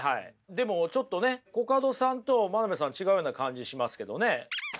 でもちょっとねコカドさんと真鍋さん違うような感じしますけどね。